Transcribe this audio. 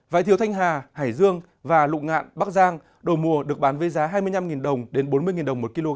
vải thiều thanh hà hải dương và lụng ngạn bắc giang đồ mùa được bán với giá hai mươi năm đồng đến bốn mươi đồng một kg